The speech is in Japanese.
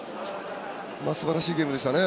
すばらしいゲームでしたね